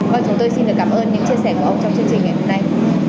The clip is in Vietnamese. vâng chúng tôi xin được cảm ơn những chia sẻ của ông trong chương trình ngày hôm nay